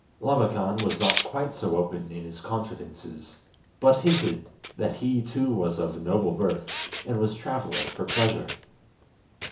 Labakan was not quite so open in his confidences, but hinted that he too was of noble birth and was travelling for pleasure.